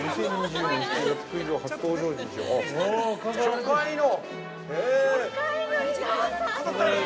初回の？